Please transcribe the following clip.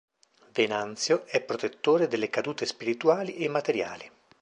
Venanzio è protettore delle cadute spirituali e materiali.